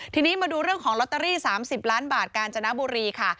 ทีนี้มาดูเรื่องของลอตเตอรี่๓๐ล้านบาทกาญจนบุรีค่ะ